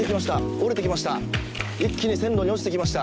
折れてきました。